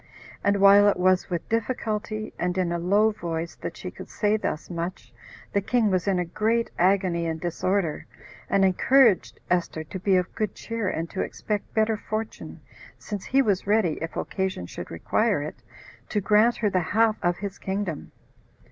And while it was with difficulty, and in a low voice, that she could say thus much, the king was in a great agony and disorder, and encouraged Esther to be of good cheer, and to expect better fortune, since he was ready, if occasion should require it, to grant her the half of his kingdom.